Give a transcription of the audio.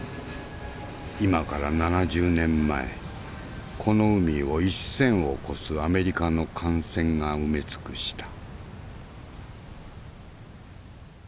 今から７０年前この海を１，０００を超すアメリカの艦船が埋め尽くした。